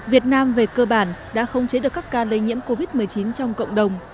việt nam về cơ bản đã không chế được các ca lây nhiễm covid một mươi chín trong cộng đồng